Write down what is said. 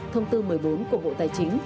thông tư một mươi bốn của bộ tài chính